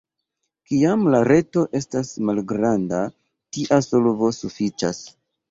Kiam la reto estas malgranda, tia solvo sufiĉas.